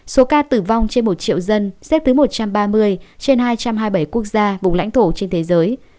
số ca tử vong trên một triệu dân xếp thứ một trăm ba mươi trên hai trăm hai mươi bảy quốc gia vùng lãnh thổ trên thế giới